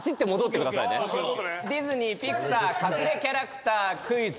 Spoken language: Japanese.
ディズニー・ピクサー隠れキャラクタークイズ。